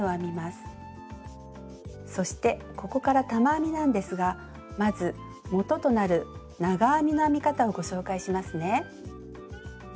そしてここから玉編みなんですがまずもととなる「長編み」の編み方をご紹介しますね。